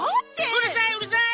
うるさいうるさい！